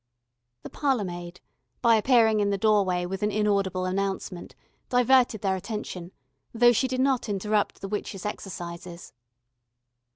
The parlour maid, by appearing in the doorway with an inaudible announcement, diverted their attention, though she did not interrupt the witch's exercises.